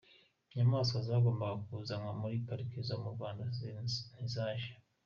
Inyamaswa zagombaga kuzanwa muri Pariki zo mu Rwanda ntizaje